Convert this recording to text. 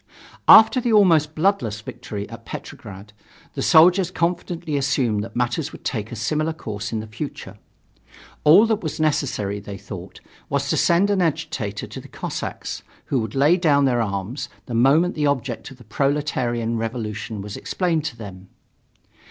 After the almost bloodless victory at Petrograd, the soldiers confidently assumed that matters would take a similar course in the future. All that was necessary, they thought, was to send an agitator to the Cossacks, who would lay down their arms the moment the object of the proletarian revolution was explained to them.